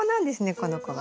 この子は。